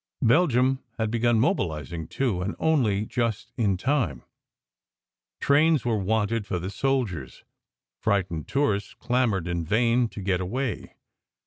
Belgium had begun mobilizing too, and only just in time. Trains were wanted for the soldiers. Frightened tourists clamoured in vain to get away.